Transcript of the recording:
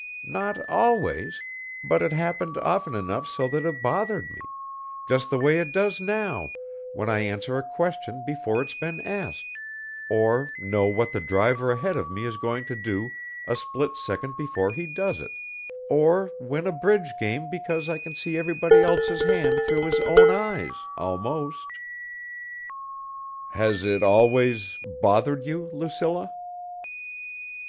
Not always but it happened often enough so that it bothered me, just the way it does now when I answer a question before it's been asked, or know what the driver ahead of me is going to do a split second before he does it, or win a bridge game because I can see everybody else's hand through his own eyes, almost." "Has it always ... bothered you, Lucilla?"